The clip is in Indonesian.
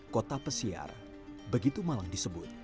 kota pesiar begitu malang disebut